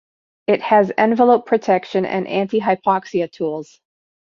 It has envelope-protection and anti-hypoxia tools.